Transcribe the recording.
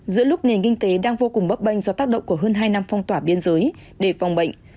giữa lúc nền kinh tế đang vô cùng bấp bênh do tác động của hơn hai năm phong tỏa biên giới để phòng bệnh